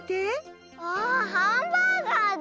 わあハンバーガーだ。